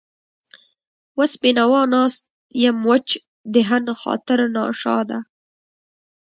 وس بېنوا ناست يم وچ دهن، خاطر ناشاده